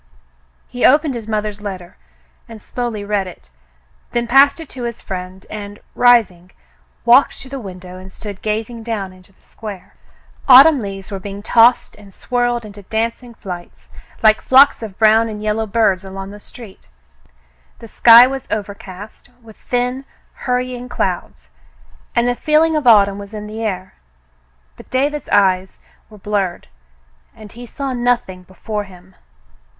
He opened his mother's letter and slowly read it, then passed it to his friend and, rising, walked to the window and stood gazing down into the square. Autumn leaves were being tossed and swirled in dancing flights, like flocks of brown and yellow birds along the street. The sky was overcast, with thin hurrying clouds, and the feeling of autumn was in the air, but David's eyes were blurred, and he saw nothing before him.